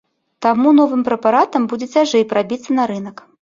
Таму новым прэпаратам будзе цяжэй прабіцца на рынак.